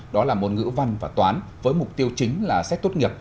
đó là môn ngữ văn và toán với mục tiêu chính là xét tốt nghiệp